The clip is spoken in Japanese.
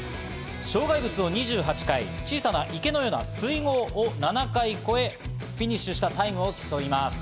障害物を２８回、小さな池のような水ごうを７回越え、フィニッシュしたタイムを競います。